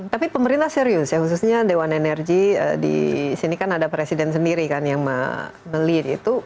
tapi pemerintah serius ya khususnya dewan energi di sini kan ada presiden sendiri kan yang melihat itu